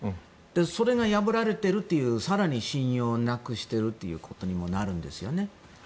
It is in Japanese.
それが破られているという更に信用をなくしているということにもなるんですよね。